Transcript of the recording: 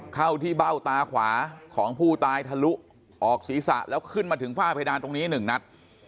เข้าที่เบ้าตาขวาของผู้ตายทะลุออกศีรษะแล้วขึ้นมาถึงฝ้าเพดานตรงนี้๑นัด